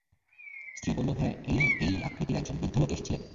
স্ত্রী বলল, হ্যাঁ, এই এই আকৃতির একজন বৃদ্ধ লোক এসেছিলেন।